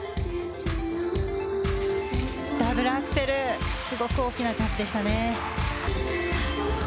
ダブルアクセル、すごく大きなジャンプでしたね。